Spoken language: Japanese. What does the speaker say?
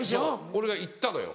俺が行ったのよ。